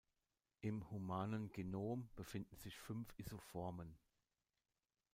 Im humanen Genom befinden sich fünf Isoformen.